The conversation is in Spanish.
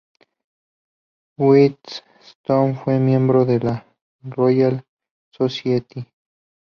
Wheatstone fue miembro de la Royal Society.